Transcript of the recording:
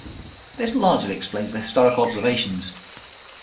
This largely explains the historical observations.